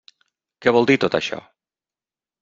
Què vol dir tot això?